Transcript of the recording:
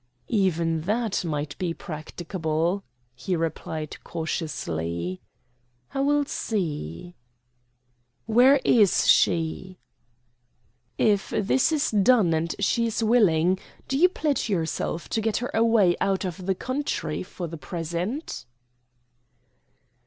"Even that might be practicable," he replied cautiously. "I will see." "Where is she?" "If this is done, and she is willing, do you pledge yourself to get her away out of the country for the present?"